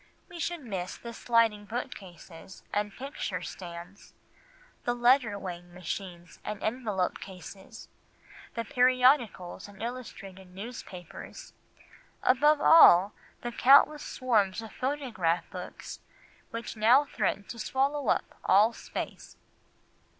We should miss the sliding bookcases, and picture stands, the letter weighing machines and envelope cases, the periodicals and illustrated newspapers—above all, the countless swarm of photograph books which now threaten to swallow up all space."